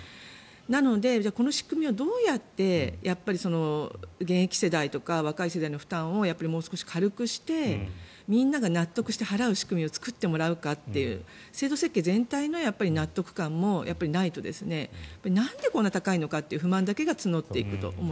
なのでこの仕組みをどう現役世代とか若い世代の負担をもう少し軽くしてみんなが納得して払う仕組みを作ってもらうかという制度設計全体の納得感もないとなんでこんな高いのかという不満だけが募っていくと。